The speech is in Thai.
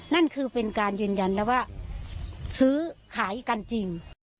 นั่นคือเป็นการยืนยันแล้วว่าซื้อขายกันจริง